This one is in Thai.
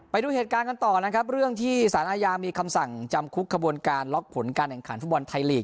ไปดูเหตุการณ์กันต่อนะครับเรื่องที่สารอาญามีคำสั่งจำคุกขบวนการล็อกผลการแข่งขันฟุตบอลไทยลีก